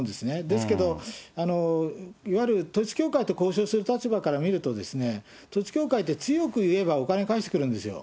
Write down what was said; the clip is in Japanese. ですけど、いわゆる統一教会と交渉する立場から見ると、統一教会って強く言えばお金返してくるんですよ。